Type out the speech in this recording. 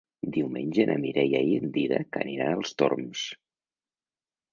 Diumenge na Mireia i en Dídac aniran als Torms.